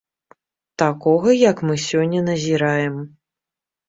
Такога, які мы сёння назіраем.